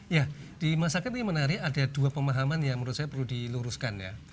ya di masyarakat ini menarik ada dua pemahaman yang menurut saya perlu diluruskan ya